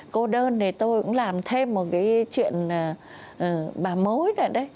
cô đơn thì tôi cũng làm thêm một cái chuyện bà mối này đấy